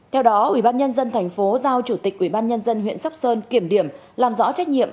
theo đó ubnd tp giao chủ tịch ubnd huyện sóc sơn kiểm điểm làm rõ trách nhiệm